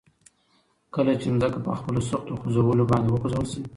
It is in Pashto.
کله چې ځمکه په خپلو سختو خوځولو باندي وخوځول شي